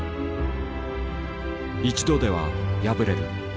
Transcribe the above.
１度では破れる。